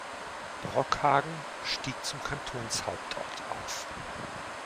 Brockhagen stieg zum Kantonshauptort auf.